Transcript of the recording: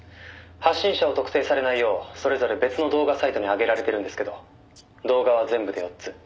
「発信者を特定されないようそれぞれ別の動画サイトに上げられてるんですけど動画は全部で４つ」